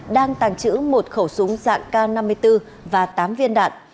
đang tàng trữ một khẩu súng dạng k năm mươi bốn và tám viên đạn